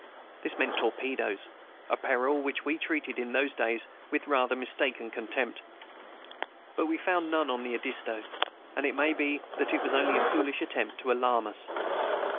This meant torpedoes, a peril which we treated, in those days, with rather mistaken contempt. But we found none on the Edisto, and it may be that it was only a foolish attempt to alarm us.